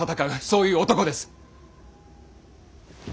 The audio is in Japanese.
そういう男です。